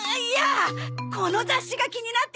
この雑誌が気になってね。